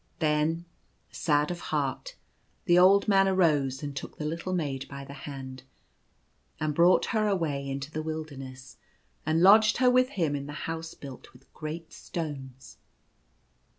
Then, sad of heart, the old man arose, and took the little maid by the hand, and brought her away into the wilderness; and lodged her with him in the house built with great stones.